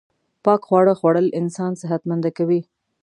پاک خواړه خوړل انسان صحت منده کوی